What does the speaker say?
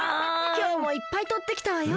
きょうもいっぱいとってきたわよ。